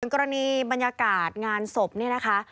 กรณีบรรยากาศงานศพเนี่ยนะคะ